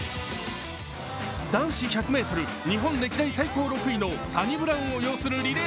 男子１００ｍ日本歴代最高６位のサニブラウンを擁するリレー